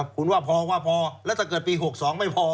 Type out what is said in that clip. คุณว่าพอว่าพอแล้วถ้าเกิดปี๖๒ไม่พอ